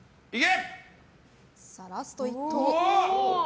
ラスト１刀。